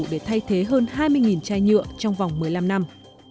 để thay thế hơn hai mươi chai nhựa trong vòng một mươi năm năm